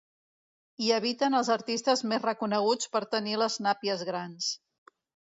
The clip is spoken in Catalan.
Hi habiten els artistes més reconeguts per tenir les nàpies grans.